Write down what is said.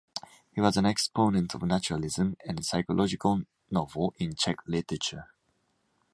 He was an exponent of naturalism and psychological novel in Czech literature.